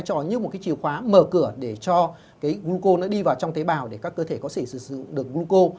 nó phải cho như một cái chìa khóa mở cửa để cho gluco nó đi vào trong thế bào để các cơ thể có thể sử dụng được gluco